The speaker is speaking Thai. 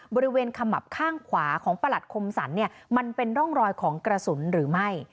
ขมับข้างขวาของประหลัดคมสรรเนี่ยมันเป็นร่องรอยของกระสุนหรือไม่